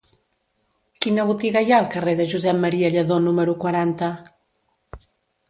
Quina botiga hi ha al carrer de Josep M. Lladó número quaranta?